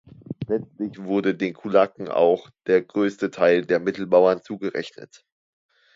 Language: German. Letztlich wurde den Kulaken auch der größte Teil der Mittelbauern zugerechnet.